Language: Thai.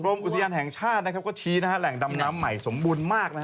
อุทยานแห่งชาติก็ชี้แหล่งดำน้ำใหม่สมบูรณ์มาก